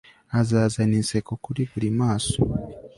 Azazana inseko kuri buri maso